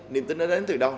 niềm tin nó đến từ đâu